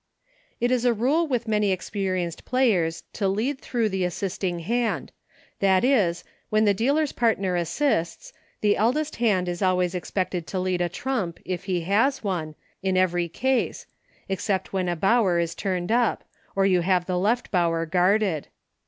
It is a rule with many experienced players to lead through the assisting hand, that is, when HINTS TO TYROS. 117 the dealer's partner assists, the eldest hand is always expected to lead a trump, if he has one, in every case, except when a Bower is turned up, or you have the Left Bower guarded.